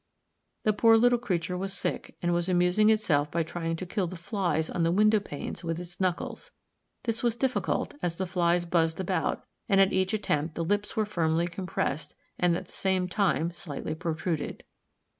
The poor little creature was sick, and was amusing itself by trying to kill the flies on the window panes with its knuckles; this was difficult as the flies buzzed about, and at each attempt the lips were firmly compressed, and at the same time slightly protruded.